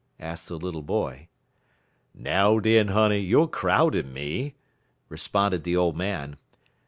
asked the little boy. "Now, den, honey, you're crowdin' me," responded the old man.